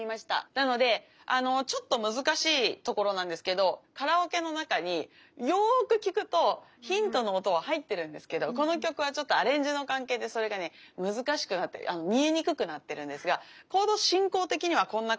なのであのちょっと難しいところなんですけどカラオケの中によく聴くとヒントの音が入ってるんですけどこの曲はちょっとアレンジの関係でそれがね難しくなったり見えにくくなってるんですがコード進行的にはこんな感じなんです。